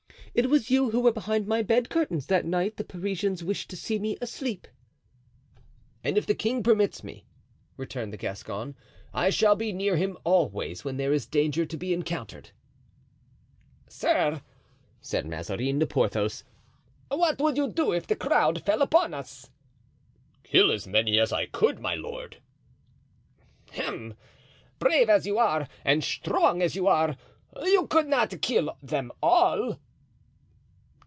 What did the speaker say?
It was you who were behind my bed curtains that night the Parisians wished to see me asleep." "And if the king permits me," returned the Gascon, "I shall be near him always when there is danger to be encountered." "Sir," said Mazarin to Porthos, "what would you do if the crowd fell upon us?" "Kill as many as I could, my lord." "Hem! brave as you are and strong as you are, you could not kill them all."